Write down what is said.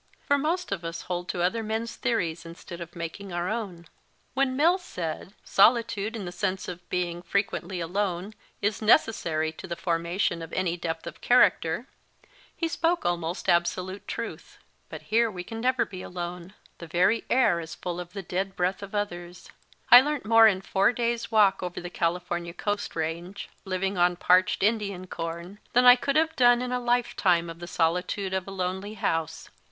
For most of us hold to other men s theories instead of making our own. o When Mill said, Solitude, in the sense of being fre quently alone, is necessary to the formation of any depth of character, he spoke almost absolute truth. But here we can never be alone ; the very air is full of the dead breath of others. I learnt more in a four days walk over the California coast range, living on parched Indian corn, than I could have done in a lifetime of the solitude of a lonely house.